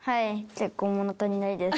結構物足りないです。